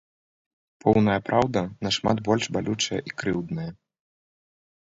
Поўная праўда нашмат больш балючая і крыўдная.